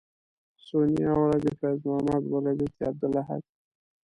سونیا ولد فیض محمد ولدیت عبدالاحد